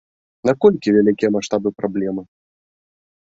Наколькі вялікія маштабы праблемы?